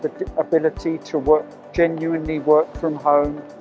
pertemuan hari ini tidak bisa terjadi dalam bentuk ini sepuluh tahun yang lalu